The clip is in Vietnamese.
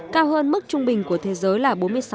cao hơn mức trung bình của thế giới là bốn mươi sáu sáu mươi bốn